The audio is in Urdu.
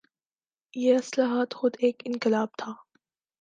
یہ اصلاحات خود ایک انقلاب تھا۔